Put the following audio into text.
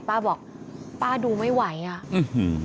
ป้าบอกป้าดูไม่ไหวอ่ะอื้อหือ